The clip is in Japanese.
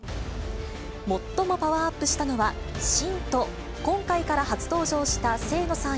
最もパワーアップしたのは、信と、今回から初登場した清野さん